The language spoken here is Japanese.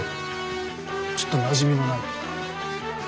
ちょっとなじみのない。